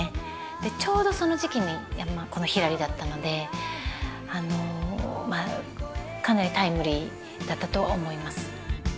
ちょうどその時期にこの「ひらり」だったのでかなりタイムリーだったと思います。